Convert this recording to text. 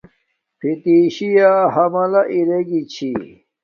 فتشی یا حملہ ارگی چھی